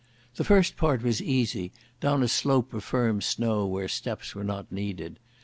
The first part was easy, down a slope of firm snow where steps were not needed.